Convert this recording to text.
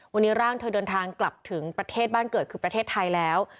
วันนี้ร่างเธอเดินทางกลับถึงประเทศบ้านเกิดคือประเทศไทยแล้ว